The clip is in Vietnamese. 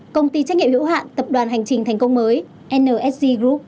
công ty trách nhiệm hữu hạn tập đoàn hành trình thành công mới nsg group